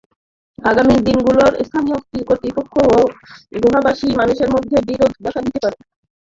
আগামী দিনগুলোয় স্থানীয় কর্তৃপক্ষ এবং গুহাবাসী মানুষের মধ্যে বিরোধ দেখা দিতে পারে।